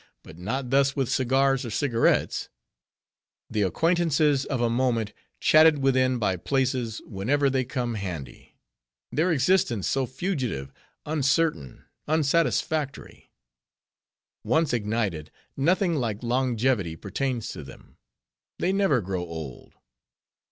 But not thus with cigars or cigarrets: the acquaintances of a moment, chatted with in by places, whenever they come handy; their existence so fugitive, uncertain, unsatisfactory. Once ignited, nothing like longevity pertains to them. They never grow old.